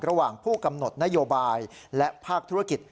ระหว่างผู้กำหนดนโยบายและภาคธุรกิจ